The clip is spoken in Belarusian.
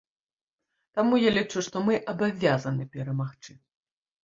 Таму я лічу, што мы абавязаны перамагчы.